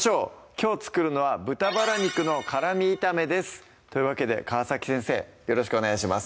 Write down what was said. きょう作るのは「豚バラ肉の辛み炒め」ですというわけで川先生よろしくお願いします